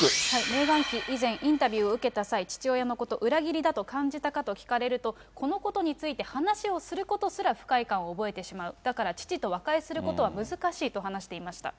メーガン妃、以前、インタビューを受けた際、父親のこと、裏切りだと感じたかと聞かれると、このことについて話をすることすら不快感を覚えてしまう、だから父と和解することは難しいと話していました。